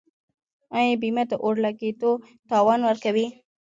آیا بیمه د اور لګیدو تاوان ورکوي؟